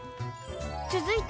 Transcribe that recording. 続いて